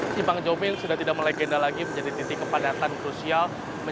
simpang jomin sudah tidak melegenda lagi menjadi titik kepadatan krusial